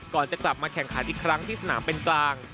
ก่อนจะกลับมาแข่งขันอีกครั้งที่สนามเป็นกลาง